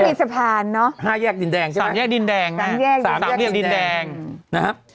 ที่มีสะพานเนอะห้าแยกดินแดงใช่ไหมสามแยกดินแดงสามแยกดินแดงสามเหลี่ยมดินแดงนะฮะ